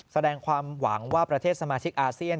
แสดงความหวังว่าประเทศสมาชิกอาเซียน